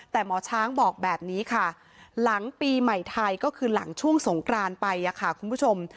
แต่หมอช้างบอกแบบนี้ค่ะหลังปีใหม่ไทยก็คือหลังช่วงสงกรานไปค่ะคุณผู้ชม